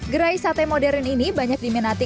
gerai sate modern ini banyak diminati